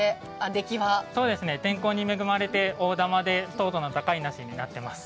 天候に恵まれて大柄で糖度の高いものになっています。